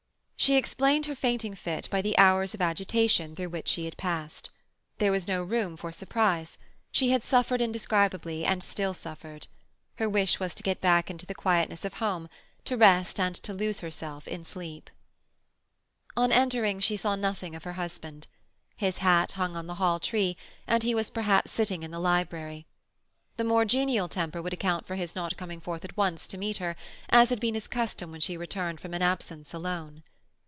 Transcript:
She explained her fainting fit by the hours of agitation through which she had passed. There was no room for surprise. She had suffered indescribably, and still suffered. Her wish was to get back into the quietness of home, to rest and to lose herself in sleep. On entering, she saw nothing of her husband. His hat hung on the hall tree, and he was perhaps sitting in the library; the more genial temper would account for his not coming forth at once to meet her, as had been his custom when she returned from an absence alone.